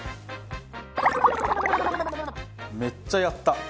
めっちゃやった。